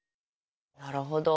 なるほど。